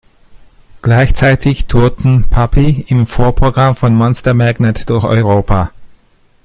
Gleichzeitig tourten Puppy im Vorprogramm von Monster Magnet durch Europa.